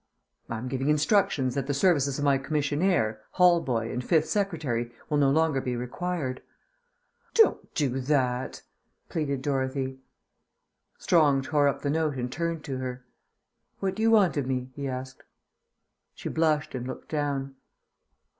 "I am giving instructions that the services of my commissionaire, hall boy, and fifth secretary will no longer be required." "Don't do that," pleaded Dorothy. Strong tore up the note and turned to her. "What do you want of me?" he asked. She blushed and looked down.